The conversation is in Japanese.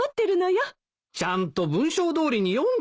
ちゃんと文章どおりに読んでるんだけどな。